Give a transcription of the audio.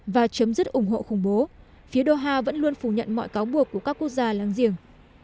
và chấm dứt ủng hộ khủng bố phía doha vẫn luôn phủ nhận mọi cáo buộc của các quốc gia láng giềng